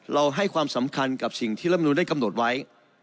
ให้ความสำคัญกับสิ่งที่รัฐมนุนได้กำหนดไว้